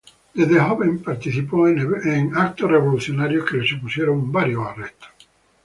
Desde joven participó en eventos revolucionarios que le supusieron varios arrestos.